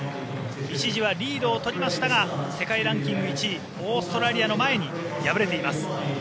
一時はリードを取りましたが世界ランキング１位オーストラリアの前に敗れています。